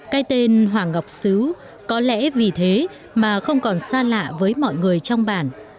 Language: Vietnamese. cái tên hoàng ngọc xứ có lẽ vì thế mà không còn xa lạ với mọi người trong bản